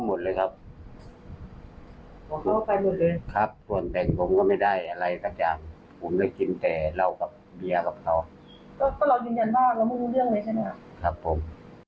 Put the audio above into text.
ก็เรายืนยันบ้างแล้วมึงรู้เรื่องเลยใช่ไหมครับครับผม